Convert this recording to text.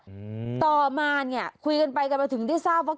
อืมต่อมาเนี้ยคุยกันไปกันมาถึงได้ทราบว่า